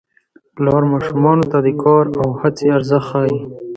پلار ماشومانو ته د کار او هڅې ارزښت ښيي